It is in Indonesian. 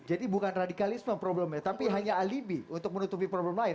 jadi bukan radikalisme problemnya tapi hanya alibi untuk menutupi problem lain